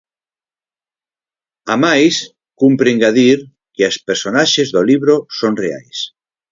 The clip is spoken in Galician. Amais, cumpre engadir que as personaxes do libro son reais.